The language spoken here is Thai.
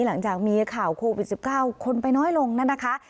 หลังจากมีข่าวโควิด๑๙คนไปน้อยลงนั่นนะคะ